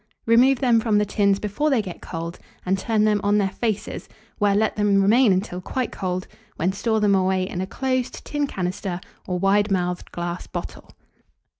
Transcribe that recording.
Remove them from the tins before they get cold, and turn them on their faces, where let them remain until quite cold, when store them away in a closed tin canister or wide mouthed glass bottle.